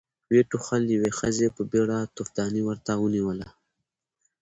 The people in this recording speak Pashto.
ويې ټوخل، يوې ښځې په بيړه توفدانۍ ورته ونېوله.